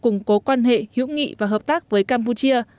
củng cố quan hệ hữu nghị và hợp tác với campuchia